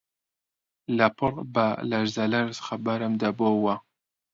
لەپڕ بە لەرزە لەرز خەبەرم دەبۆوە